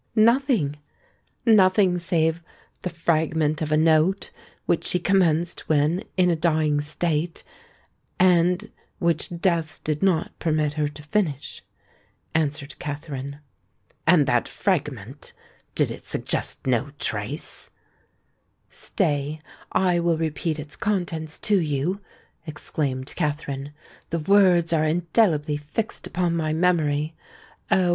"Nothing,—nothing save the fragment of a note which she commenced when in a dying state, and which death did not permit her to finish," answered Katherine. "And that fragment—did it suggest no trace—" "Stay—I will repeat its contents to you," exclaimed Katherine: "the words are indelibly fixed upon my memory——Oh!